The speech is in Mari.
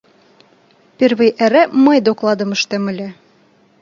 — Первый эре мый докладым ыштем ыле.